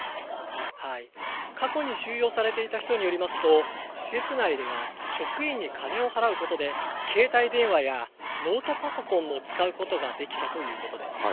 過去に収容されていた人によりますと、施設内では職員に金を払うことで、携帯電話やノートパソコンも使うことができたということです。